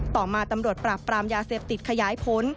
ต่อมาตำรวจปราบปรามยาเสพติดขยายผล